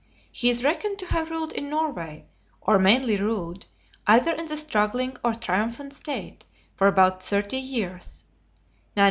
He is reckoned to have ruled in Norway, or mainly ruled, either in the struggling or triumphant state, for about thirty years (965 995?).